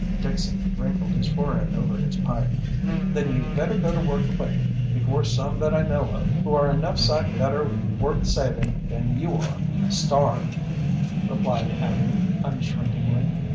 Dixon wrinkled his forehead over his pipe. "Then you'd better go to work quick, before some that I know of, who are enough sight better worth saving than you are, starve," replied Abby, unshrinkingly.